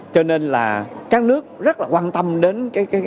cho nên là các nước rất quan tâm đến